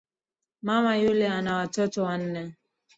Mama yule ana watoto wanne